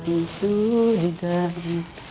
itu di dana